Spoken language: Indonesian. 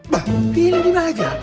bah film di mana aja